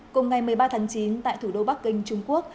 cùng ngày một mươi ba tháng chín tại thủ đô bắc kinh trung quốc